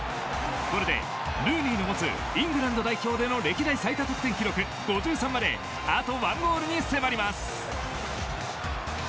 これでルーニーの持つイングランド代表での歴代最多得点記録５３まであと１ゴールに迫ります。